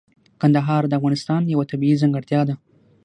کندهار د افغانستان یوه طبیعي ځانګړتیا ده.